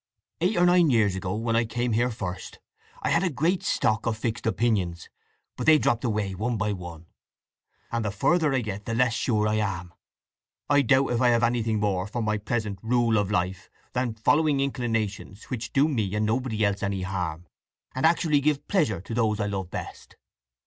Eight or nine years ago when I came here first, I had a neat stock of fixed opinions, but they dropped away one by one; and the further I get the less sure I am. I doubt if I have anything more for my present rule of life than following inclinations which do me and nobody else any harm, and actually give pleasure to those I love best.